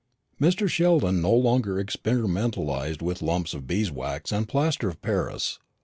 Mr. Sheldon no longer experimentalised with lumps of beeswax and plaster of paris.